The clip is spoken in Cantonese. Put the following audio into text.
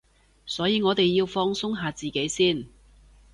所以我哋要放鬆下自己先